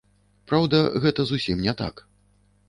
Праўда, гэта зусім не так.